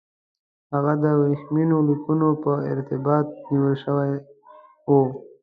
هغه د ورېښمینو لیکونو په ارتباط نیول شوی وو.